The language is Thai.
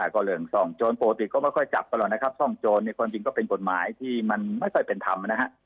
ก็เรื่องซ่องโจรปกติก็ไม่ค่อยจับกันหรอกนะครับซ่องโจรเนี่ยความจริงก็เป็นกฎหมายที่มันไม่ค่อยเป็นธรรมนะฮะ